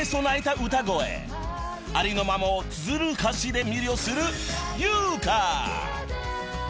［ありのままをつづる歌詞で魅了する］